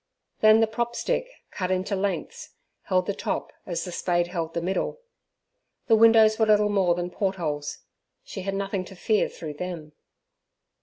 Then the prop stick, cut into lengths, held the top, as the spade held the middle. The windows were little more than portholes; she had nothing to fear through them.